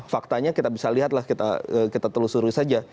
faktanya kita bisa lihatlah kita telusuri saja